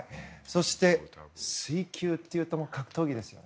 そして、水球というともう格闘技ですよ。